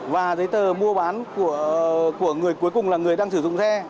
và giấy tờ mua bán của người cuối cùng là người đang sử dụng xe